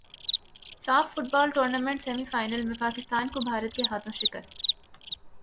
ساف football tournament semi final میں پاکستان کو بھارت کے ہاتھوں شکست